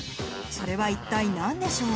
それは一体何でしょう？